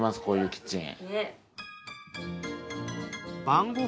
こういうキッチン。